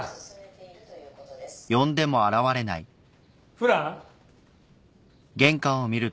フラン？